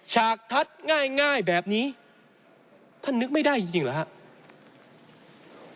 ฉากทัศน์ง่ายแบบนี้ท่านนึกไม่ได้จริงเหรอครับ